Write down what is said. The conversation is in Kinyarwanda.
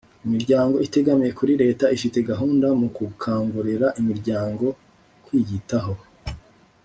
Imiryango itegamiye kuri Leta ifite gahunda mu gukangurira imiryango kwiyitaho